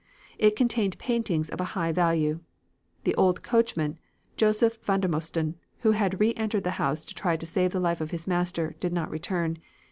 It contained paintings of a high value. The old coachman, Joseph Vandermosten, who had re entered the house to try to save the life of his master, did not return.